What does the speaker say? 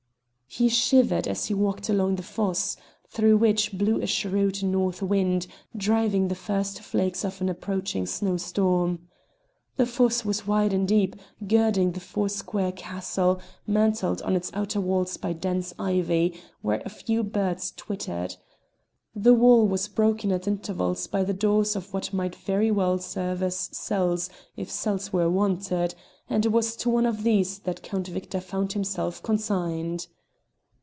He shivered as he walked along the fosse, through which blew a shrewd north wind, driving the first flakes of an approaching snowstorm. The fosse was wide and deep, girding the four square castle, mantled on its outer walls by dense ivy, where a few birds twittered. The wall was broken at intervals by the doors of what might very well serve as cells if cells were wanted, and it was to one of these that Count Victor found himself consigned.